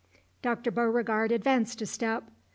Dr. Beauregard advanced a step.